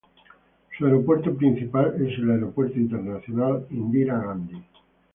Su aeropuerto principal es el Aeropuerto Internacional Indira Gandhi.